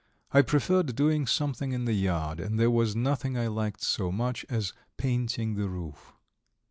I preferred doing something in the yard, and there was nothing I liked so much as painting the roof.